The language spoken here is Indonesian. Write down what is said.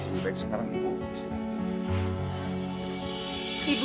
ibu baik sekarang ibu